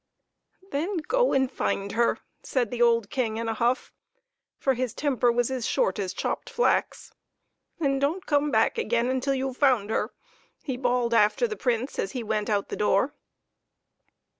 "Then go and find her!" said the old King, in a huff, for his temper was as short as chopped flax. "And don't come back again till you've found her!" he bawled after the Prince as he went out to the door.